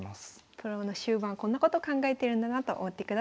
プロの終盤こんなこと考えてるんだなと思ってください。